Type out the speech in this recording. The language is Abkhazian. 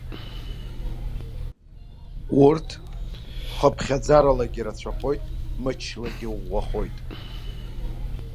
Урҭ хыԥхьаӡаралагьы ирацәахоит, мычлагьы иӷәӷәахоит.